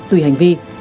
tùy hành vi